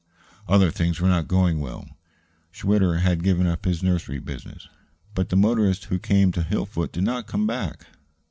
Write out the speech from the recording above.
Other things were not going well. Schwitter had given up his nursery business; but the motorists who came to Hillfoot did not come back.